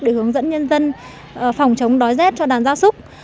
để hướng dẫn nhân dân phòng chống đói rét cho đàn gia súc